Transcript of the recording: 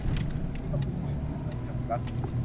นี่ก็เพิ่งคุยกับลูกเรื่องแคลคูลัส